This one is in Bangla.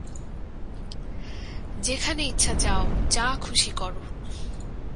যেখানে ইচ্ছা যাও, যা খুশি করো।